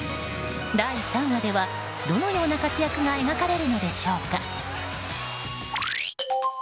第３話では、どのような活躍が描かれるのでしょうか。